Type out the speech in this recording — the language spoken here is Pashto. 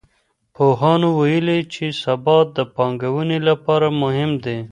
پوهانو ويلي چي ثبات د پانګوني لپاره مهم دی.